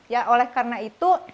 ya oleh karena itu